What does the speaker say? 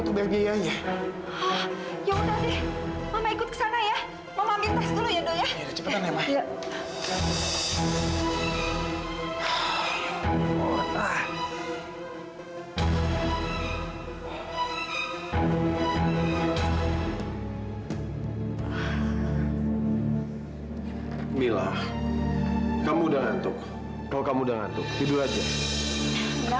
aku bilang enggak boleh enggak boleh mila